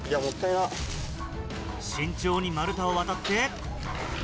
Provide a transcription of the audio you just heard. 慎重に丸太を渡って。